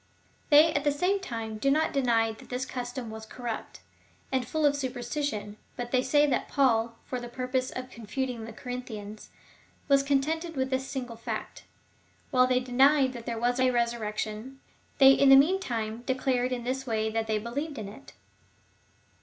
They at the same time do not deny that this custom was corrupt, and full of superstition, but they say that Paul, for the purpose of con futing the Corinthians, was contented with this single fact,^ that while they denied that there was a resurrection, they in the mean time declared in this way that they believed in it.